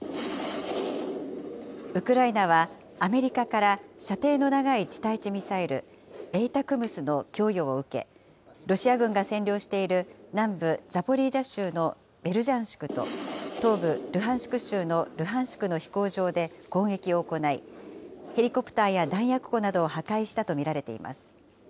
ウクライナはアメリカから射程の長い地対地ミサイル、ＡＴＡＣＭＳの供与を受け、ロシア軍が占領している南部ザポリージャ州のベルジャンシクと、東部ルハンシク州のルハンシクの飛行場で攻撃を行い、ヘリコプターや弾薬庫などを破壊したと見られています。